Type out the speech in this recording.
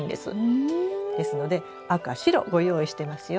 ですので赤白ご用意してますよ。